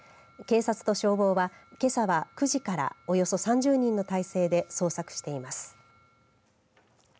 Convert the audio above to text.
警察と消防は、けさは９時からおよそ３０人の態勢で捜索しています。